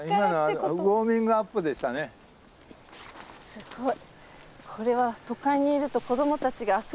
すごい。